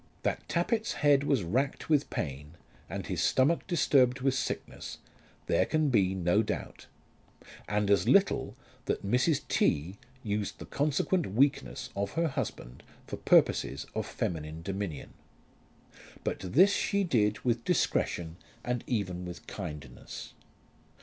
That Tappitt's head was racked with pain, and his stomach disturbed with sickness, there can be no doubt, and as little that Mrs. T. used the consequent weakness of her husband for purposes of feminine dominion; but this she did with discretion and even with kindness.